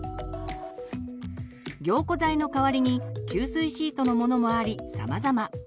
凝固剤の代わりに吸水シートのものもありさまざま。